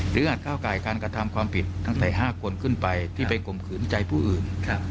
อาจก้าวไก่การกระทำความผิดตั้งแต่๕คนขึ้นไปที่ไปข่มขืนใจผู้อื่น